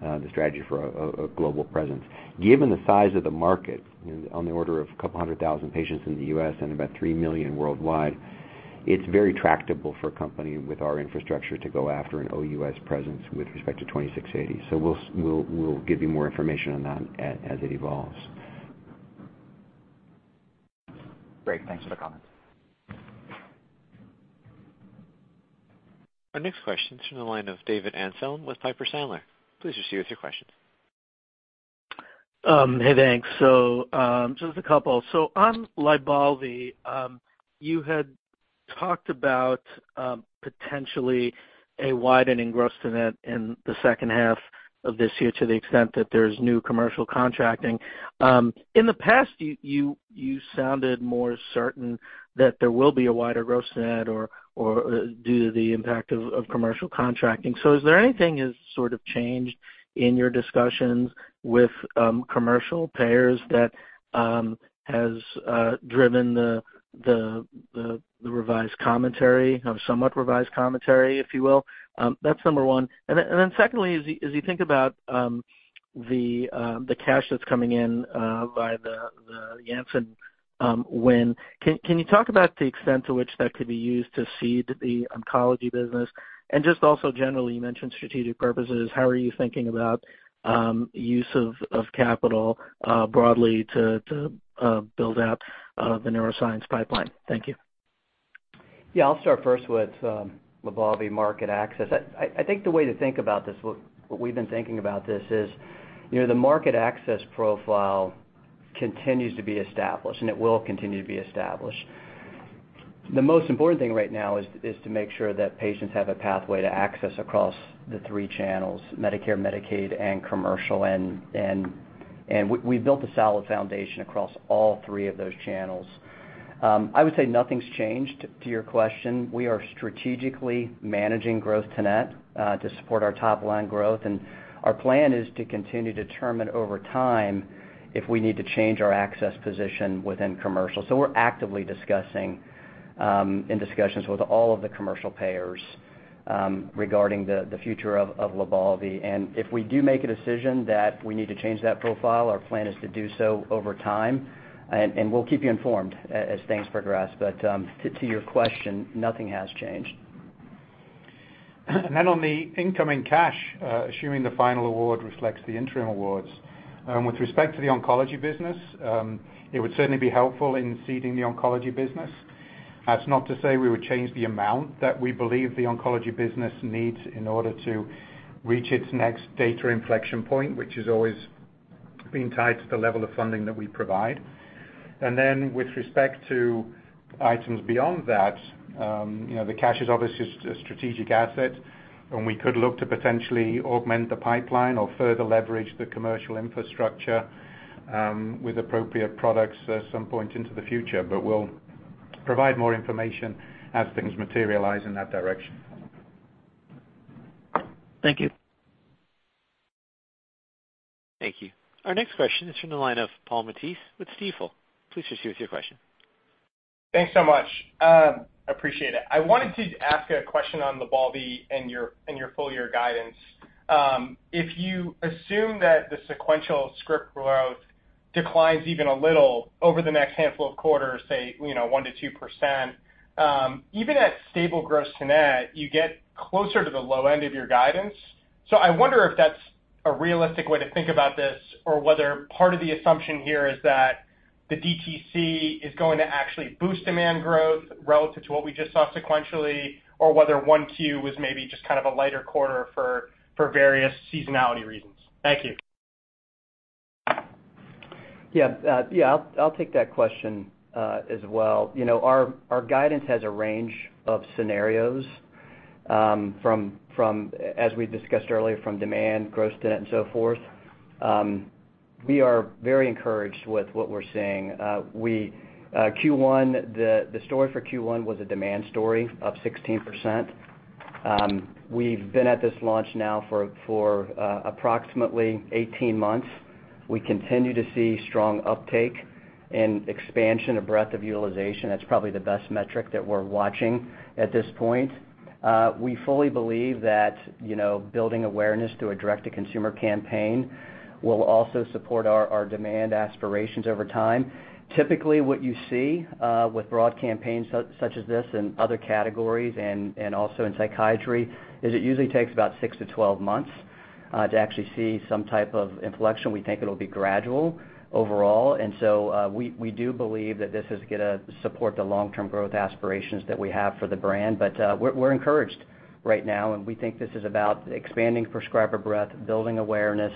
C: the strategy for a global presence. Given the size of the market on the order of a couple hundred thousand patients in the U.S. and about 3 million worldwide, it's very tractable for a company with our infrastructure to go after an OUS presence with respect to 2680. We'll give you more information on that as it evolves.
I: Great. Thanks for the comments.
A: Our next question is from the line of David Amsellem with Piper Sandler. Please proceed with your question.
J: Hey, thanks. Just a couple. On LYBALVI, you had talked about potentially a widening gross net in the second half of this year to the extent that there's new commercial contracting. In the past, you sounded more certain that there will be a wider gross net or due to the impact of commercial contracting. Is there anything has sort of changed in your discussions with commercial payers that has driven the revised commentary, somewhat revised commentary, if you will? That's number one. Secondly, as you think about the cash that's coming in by the Janssen win, can you talk about the extent to which that could be used to seed the oncology business? Just also generally, you mentioned strategic purposes, how are you thinking about use of capital broadly to build out the neuroscience pipeline? Thank you.
E: Yeah. I'll start first with LYBALVI market access. I think the way to think about this, what we've been thinking about this is, you know, the market access profile continues to be established. It will continue to be established. The most important thing right now is to make sure that patients have a pathway to access across the three channels, Medicare, Medicaid, and commercial, and we've built a solid foundation across all three of those channels. I would say nothing's changed to your question. We are strategically managing growth to net to support our top-line growth. Our plan is to continue to determine over time if we need to change our access position within commercial. We're actively discussing in discussions with all of the commercial payers. Regarding the future of LYBALVI. If we do make a decision that we need to change that profile, our plan is to do so over time, and we'll keep you informed as things progress. To your question, nothing has changed.
D: On the incoming cash, assuming the final award reflects the interim awards, with respect to the oncology business, it would certainly be helpful in seeding the oncology business. That's not to say we would change the amount that we believe the oncology business needs in order to reach its next data inflection point, which has always been tied to the level of funding that we provide. With respect to items beyond that, you know, the cash is obviously a strategic asset, and we could look to potentially augment the pipeline or further leverage the commercial infrastructure, with appropriate products at some point into the future. We'll provide more information as things materialize in that direction.
K: Thank you.
A: Thank you. Our next question is from the line of Paul Matteis with Stifel. Please proceed with your question.
L: Thanks so much. Appreciate it. I wanted to ask a question on LYBALVI and your, and your full year guidance. If you assume that the sequential script growth declines even a little over the next handful of quarters, say, you know, 1%-2%, even at stable gross to net, you get closer to the low end of your guidance. I wonder if that's a realistic way to think about this, or whether part of the assumption here is that the DTC is going to actually boost demand growth relative to what we just saw sequentially, or whether 1Q was maybe just kind of a lighter quarter for various seasonality reasons. Thank you.
E: I'll take that question as well. You know, our guidance has a range of scenarios from, as we discussed earlier, from demand, gross to net, and so forth. We are very encouraged with what we're seeing. We, the story for Q1 was a demand story up 16%. We've been at this launch now for approximately 18 months. We continue to see strong uptake and expansion of breadth of utilization. That's probably the best metric that we're watching at this point. We fully believe that, you know, building awareness through a direct-to-consumer campaign will also support our demand aspirations over time. Typically, what you see with broad campaigns such as this in other categories and also in psychiatry, is it usually takes about 6-12 months to actually see some type of inflection. We think it'll be gradual overall. We do believe that this is gonna support the long-term growth aspirations that we have for the brand. We're encouraged right now, and we think this is about expanding prescriber breadth, building awareness,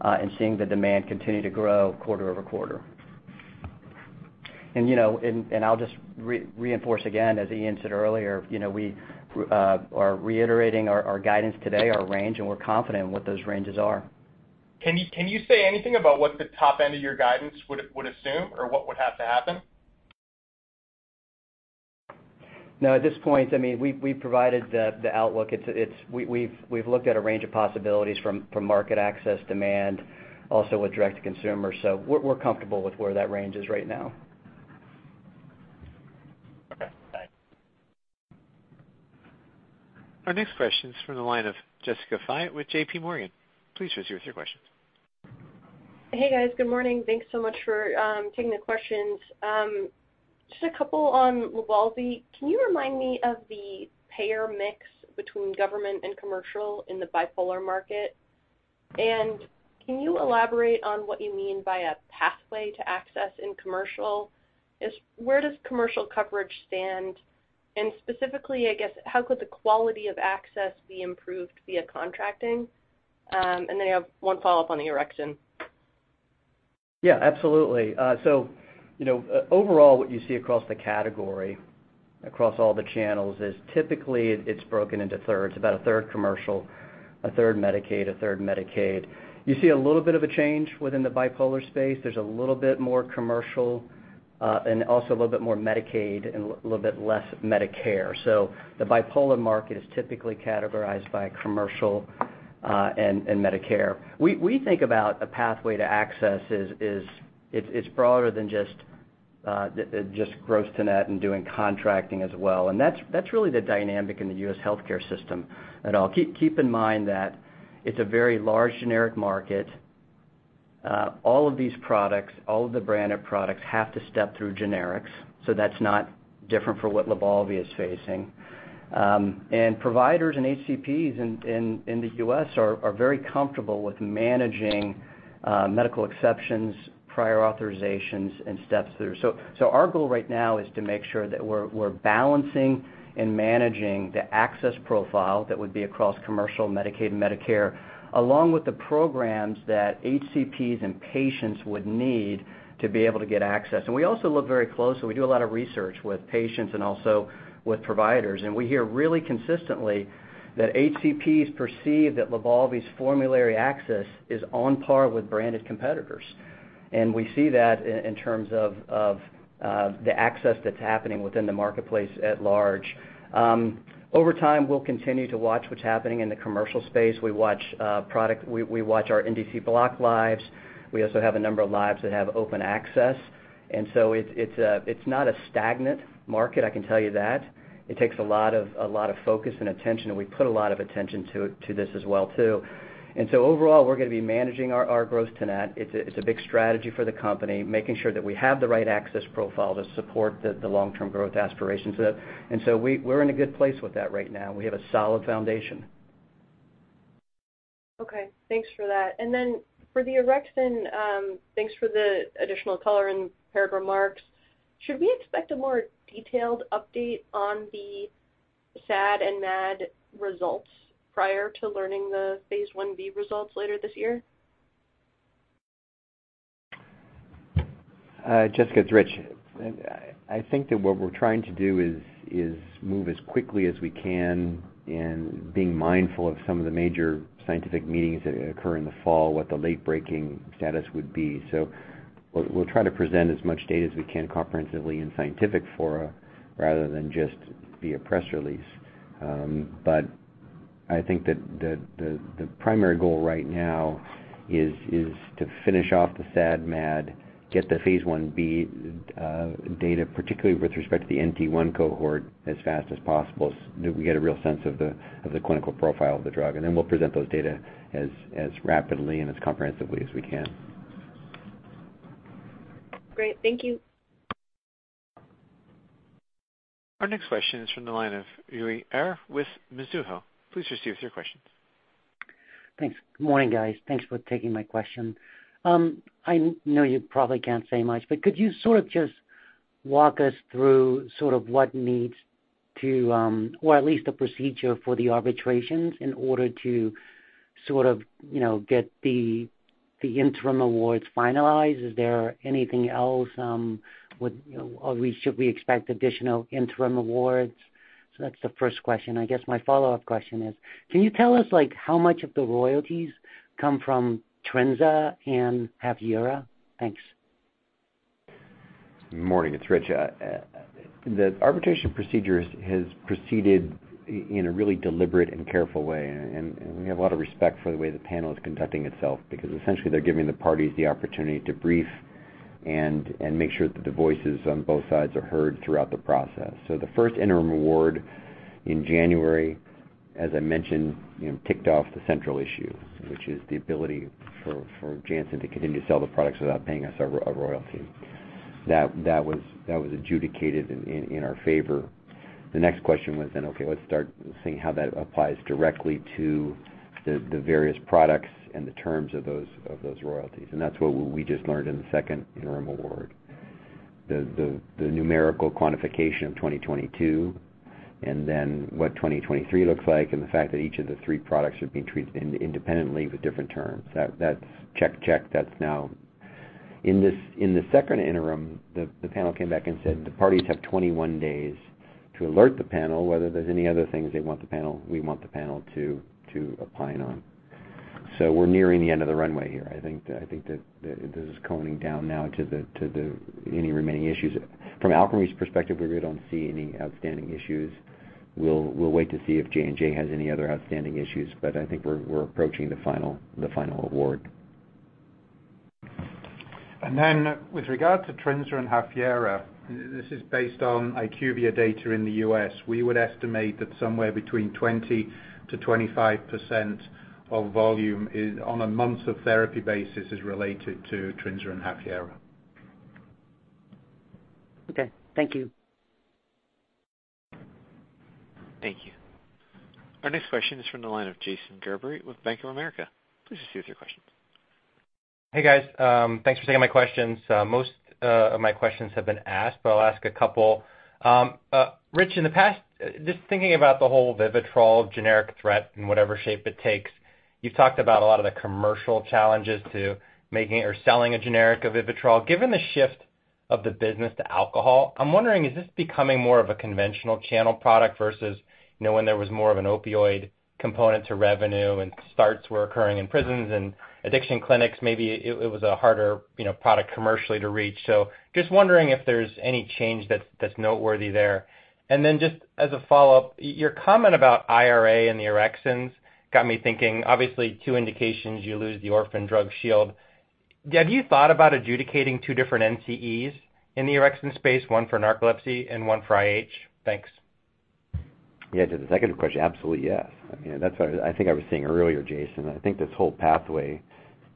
E: and seeing the demand continue to grow quarter-over-quarter. You know, I'll just reinforce again, as Iain said earlier, you know, we are reiterating our guidance today, our range, and we're confident in what those ranges are.
L: Can you say anything about what the top end of your guidance would assume or what would have to happen?
E: No, at this point, I mean, we've provided the outlook. It's we've looked at a range of possibilities from market access, demand, also with direct to consumer. We're comfortable with where that range is right now.
L: Okay, thanks.
A: Our next question is from the line of Jessica Fye with JPMorgan. Please proceed with your question.
M: Hey, guys. Good morning. Thanks so much for taking the questions. Just a couple on LYBALVI. Can you remind me of the payer mix between government and commercial in the bipolar market? Can you elaborate on what you mean by a pathway to access in commercial? Where does commercial coverage stand? Specifically, I guess, how could the quality of access be improved via contracting? I have one follow-up on the orexin.
E: Yeah, absolutely. You know, overall, what you see across the category, across all the channels is typically it's broken into thirds, about 1/3 commercial, 1/3 Medicaid, 1/3 Medicare. You see a little bit of a change within the bipolar space. There's a little bit more commercial, and also a little bit more Medicaid and a little bit less Medicare. The bipolar market is typically categorized by commercial, and Medicare. We think about a pathway to access is it's broader than just gross to net and doing contracting as well. That's really the dynamic in the U.S. healthcare system at all. Keep in mind that it's a very large generic market. All of these products, all of the branded products have to step through generics. That's not different for what LYBALVI is facing. Providers and HCPs in the US are very comfortable with managing medical exceptions, prior authorizations, and steps through. Our goal right now is to make sure that we're balancing and managing the access profile that would be across commercial, Medicaid, and Medicare, along with the programs that HCPs and patients would need to be able to get access. We also look very closely. We do a lot of research with patients and also with providers. We hear really consistently that HCPs perceive that LYBALVI's formulary access is on par with branded competitors. We see that in terms of the access that's happening within the marketplace at large. Over time, we'll continue to watch what's happening in the commercial space. We watch our NDC block lives. We also have a number of lives that have open access. It's not a stagnant market, I can tell you that. It takes a lot of focus and attention, and we put a lot of attention to this as well, too. Overall, we're gonna be managing our growth to that. It's a big strategy for the company, making sure that we have the right access profile to support the long-term growth aspirations of it. We're in a good place with that right now. We have a solid foundation.
M: Okay. Thanks for that. For the Orexin, thanks for the additional color and paired remarks. Should we expect a more detailed update on the SAD and MAD results prior to learning the phase I-B results later this year?
C: Jessica, it's Rich. I think that what we're trying to do is move as quickly as we can and being mindful of some of the major scientific meetings that occur in the fall, what the late-breaking status would be. We'll try to present as much data as we can comprehensively in scientific fora rather than just via press release. I think that the primary goal right now is finish off the SAD, MAD, get the phase I-B data, particularly with respect to the NT1 cohort, as fast as possible so that we get a real sense of the clinical profile of the drug. We'll present those data as rapidly and as comprehensively as we can.
N: Great. Thank you.
A: Our next question is from the line of Uy Ear with Mizuho. Please proceed with your questions.
O: Thanks. Good morning, guys. Thanks for taking my question. I know you probably can't say much, but could you sort of just walk us through sort of what needs to, or at least the procedure for the arbitrations in order to sort of, you know, get the interim awards finalized? Is there anything else? Should we expect additional interim awards? That's the first question. I guess my follow-up question is, can you tell us, like, how much of the royalties come from Trinza and HAFYERA? Thanks.
C: Good morning. It's Rich. The arbitration procedure has proceeded in a really deliberate and careful way, and we have a lot of respect for the way the panel is conducting itself because essentially they're giving the parties the opportunity to brief and make sure that the voices on both sides are heard throughout the process. The first interim award in January, as I mentioned, you know, ticked off the central issue, which is the ability for Janssen to continue to sell the products without paying us our royalty. That was adjudicated in our favor. The next question was, okay, let's start seeing how that applies directly to the various products and the terms of those royalties. That's what we just learned in the second interim award. The numerical quantification of 2022, and then what 2023 looks like, and the fact that each of the three products are being treated independently with different terms. That's check. That's now. In the second interim, the panel came back and said the parties have 21 days to alert the panel whether there's any other things we want the panel to opine on. We're nearing the end of the runway here. I think that this is coming down now to the any remaining issues. From Alkermes's perspective, we really don't see any outstanding issues. We'll wait to see if J&J has any other outstanding issues, but I think we're approaching the final award.
E: With regard to TRINZA and HAFYERA, this is based on IQVIA data in the U.S., we would estimate that somewhere between 20%-25% of volume is on a months of therapy basis is related to TRINZA and HAFYERA.
O: Okay. Thank you.
A: Thank you. Our next question is from the line of Jason Gerberry with Bank of America. Please proceed with your question.
P: Hey, guys. Thanks for taking my questions. Most of my questions have been asked, but I'll ask a couple. Rich, in the past, just thinking about the whole VIVITROL generic threat in whatever shape it takes, you've talked about a lot of the commercial challenges to making or selling a generic of VIVITROL. Given the shift of the business to alcohol, I'm wondering, is this becoming more of a conventional channel product versus, you know, when there was more of an opioid component to revenue and starts were occurring in prisons and addiction clinics, maybe it was a harder, you know, product commercially to reach. Just wondering if there's any change that's noteworthy there. Just as a follow-up, your comment about IRA and the orexins got me thinking, obviously, two indications you lose the orphan drug shield. Have you thought about adjudicating 2 different NCEs in the Orexin space, one for narcolepsy and one for IH? Thanks.
C: Yeah. To the second question, absolutely, yes. That's what I think I was saying earlier, Jason, I think this whole pathway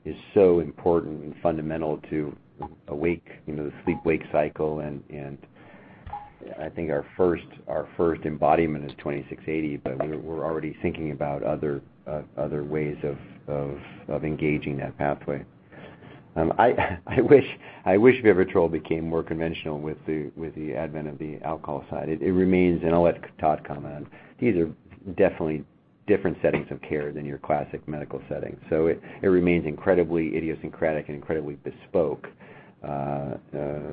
C: is so important and fundamental to awake, you know, the sleep-wake cycle. I think our first embodiment is 2680, but we're already thinking about other ways of engaging that pathway. I wish VIVITROL became more conventional with the advent of the alcohol side. It remains, and I'll let Todd comment on, these are definitely different settings of care than your classic medical setting. It remains incredibly idiosyncratic and incredibly bespoke.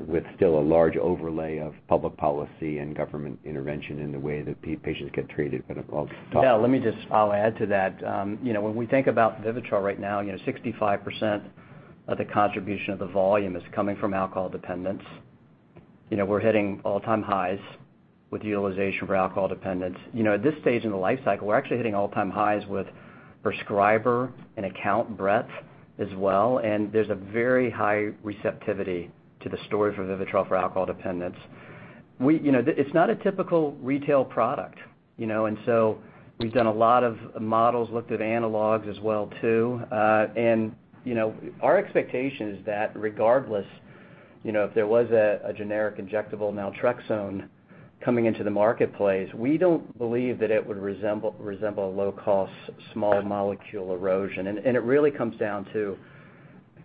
C: With still a large overlay of public policy and government intervention in the way that patients get treated.
E: Yeah, let me add to that. you know, when we think about VIVITROL right now, you know, 65% of the contribution of the volume is coming from alcohol dependence. You know, we're hitting all-time highs with utilization for alcohol dependence. You know, at this stage in the life cycle, we're actually hitting all-time highs with prescriber and account breadth as well. There's a very high receptivity to the story for VIVITROL for alcohol dependence. You know, it's not a typical retail product, you know? We've done a lot of models, looked at analogs as well, too. you know, our expectation is that regardless, you know, if there was a generic injectable naltrexone coming into the marketplace, we don't believe that it would resemble a low-cost small molecule erosion. It really comes down to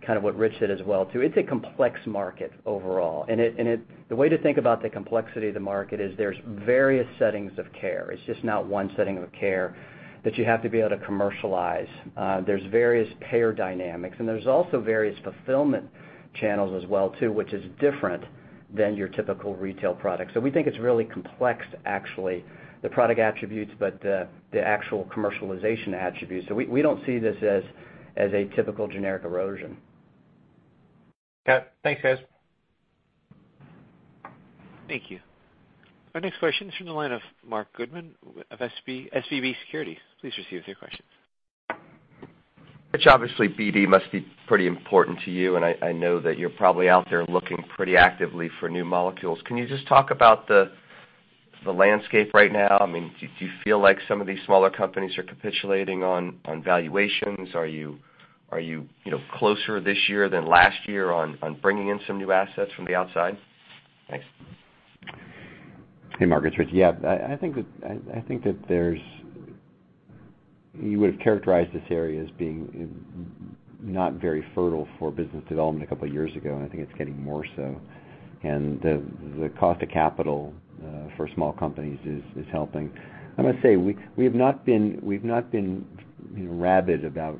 E: kind of what Rich said as well, too. It's a complex market overall. The way to think about the complexity of the market is there's various settings of care. It's just not one setting of care that you have to be able to commercialize. There's various payer dynamics, and there's also various fulfillment channels as well, too, which is different than your typical retail product. We think it's really complex, actually, the product attributes, but the actual commercialization attributes. We don't see this as a typical generic erosion.
P: Okay. Thanks, guys.
A: Thank you. Our next question is from the line of Marc Goodman of SVB Securities. Please proceed with your question.
Q: Rich, obviously BD must be pretty important to you, I know that you're probably out there looking pretty actively for new molecules. Can you just talk about the landscape right now? I mean, do you feel like some of these smaller companies are capitulating on valuations? Are you know, closer this year than last year on bringing in some new assets from the outside? Thanks.
C: Hey, Marc. It's Richard. Yeah. I think that there's. You would have characterized this area as being not very fertile for business development 2 years ago, and I think it's getting more so. The cost of capital for small companies is helping. I must say, we have not been, we've not been, you know, rabid about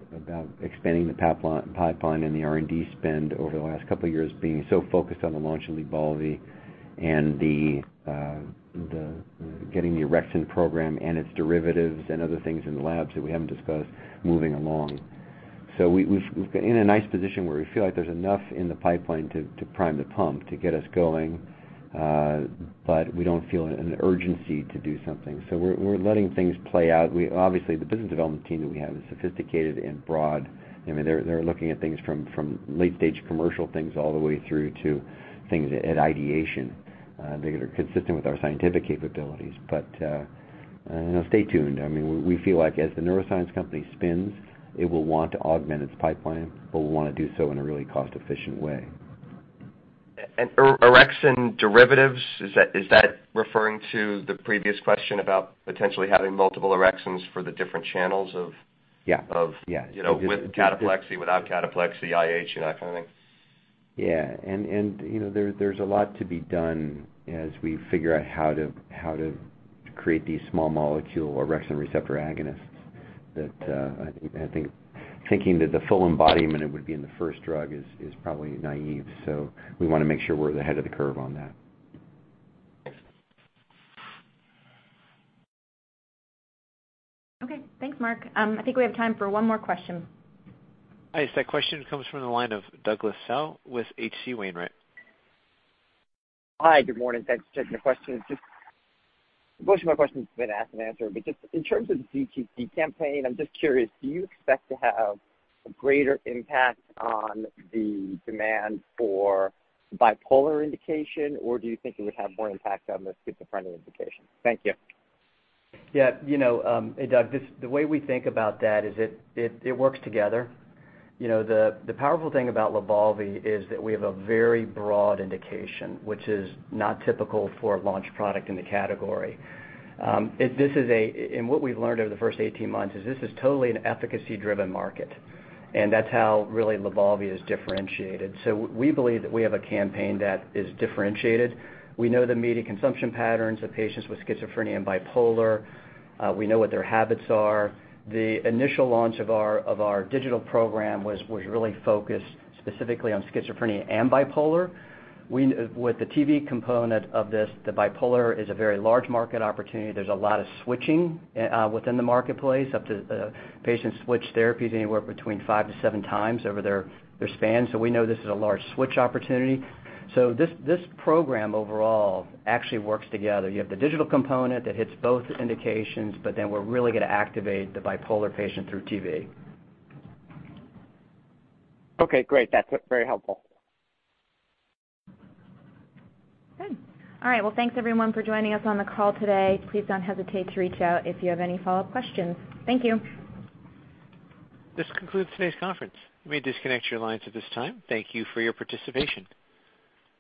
C: expanding the pipeline and the R&D spend over the last 2 years, being so focused on the launch of LYBALVI and the, getting the orexin program and its derivatives and other things in the labs that we haven't discussed moving along. We've been in a nice position where we feel like there's enough in the pipeline to prime the pump to get us going, but we don't feel an urgency to do something. We're letting things play out. Obviously, the business development team that we have is sophisticated and broad. I mean, they're looking at things from late stage commercial things all the way through to things at ideation that are consistent with our scientific capabilities. You know, stay tuned. I mean, we feel like as the neuroscience company spins, it will want to augment its pipeline, but we wanna do so in a really cost-efficient way.
Q: Orexin derivatives, is that referring to the previous question about potentially having multiple orexins for the different channels?
C: Yeah.
Q: Of-
C: Yeah.
Q: You know, with cataplexy, without cataplexy, IH and that kind of thing?
C: Yeah. You know, there's a lot to be done as we figure out how to create these small molecule orexin receptor agonists that, I think, thinking that the full embodiment it would be in the first drug is probably naive. We wanna make sure we're ahead of the curve on that.
B: Okay. Thanks, Marc. I think we have time for one more question.
A: Thanks. That question comes from the line of Douglas Tsao with H.C. Wainwright.
K: Hi. Good morning. Thanks. Just a question. Just most of my questions have been asked and answered, but just in terms of the DTC campaign, I'm just curious, do you expect to have a greater impact on the demand for bipolar indication, or do you think it would have more impact on the schizophrenia indication? Thank you.
E: Yeah. You know, hey, Doug, the way we think about that is it works together. You know, the powerful thing about LYBALVI is that we have a very broad indication, which is not typical for a launch product in the category. What we've learned over the first 18 months is this is totally an efficacy-driven market, and that's how really LYBALVI is differentiated. We believe that we have a campaign that is differentiated. We know the media consumption patterns of patients with schizophrenia and bipolar. We know what their habits are. The initial launch of our digital program was really focused specifically on schizophrenia and bipolar. With the TV component of this, the bipolar is a very large market opportunity. There's a lot of switching within the marketplace, up to patients switch therapies anywhere between 5 to 7 times over their span. We know this is a large switch opportunity. This program overall actually works together. You have the digital component that hits both indications, we're really gonna activate the bipolar patient through TV.
K: Okay, great. That's very helpful.
B: Good. All right. Well, thanks everyone for joining us on the call today. Please don't hesitate to reach out if you have any follow-up questions. Thank you.
A: This concludes today's conference. You may disconnect your lines at this time. Thank you for your participation.